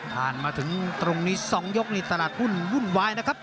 มาถึงตรงนี้๒ยกนี่ตลาดหุ้นวุ่นวายนะครับ